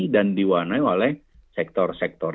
dan diwarnai oleh sektor sektor